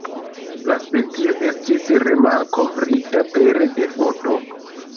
La specio estis remalkovrita pere de foto.